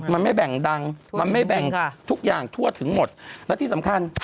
มันไม่แบ่งดังมันไม่แบ่งทุกอย่างทั่วถึงหมดและที่สำคัญ